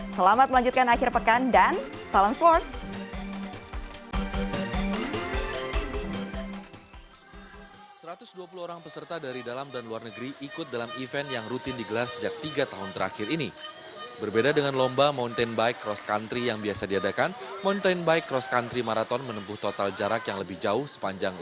selamat melanjutkan akhir pekan dan salam sports